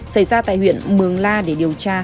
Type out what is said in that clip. xảy ra tại huyện mường la để điều tra